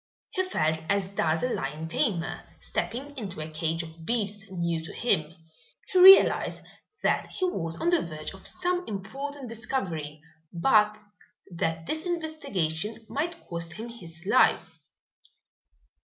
He felt as does a lion tamer stepping into a cage of beasts new to him. He realized that he was on the verge of some important discovery, but that this investigation might cost him his life.